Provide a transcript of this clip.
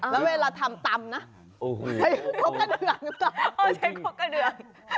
แล้วเวลาทำตำนะใช้ข้อกระเดือน